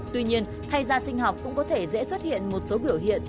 tuy nhiên thay da sinh học cũng có thể dễ xuất hiện một số biểu hiện